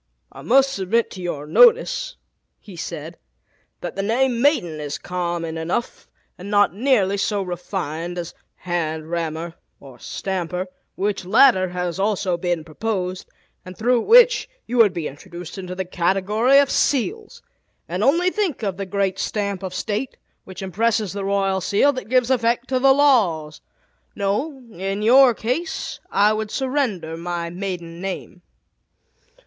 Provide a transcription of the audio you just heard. "I must submit to your notice," he said, "that the name 'maiden' is common enough, and not nearly so refined as 'hand rammer,' or 'stamper,' which latter has also been proposed, and through which you would be introduced into the category of seals; and only think of the great stamp of state, which impresses the royal seal that gives effect to the laws! No, in your case I would surrender my maiden name."